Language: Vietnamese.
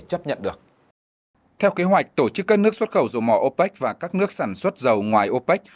theo kế hoạch tổ chức các nước xuất khẩu dầu mỏ opec và các nước sản xuất dầu ngoài opec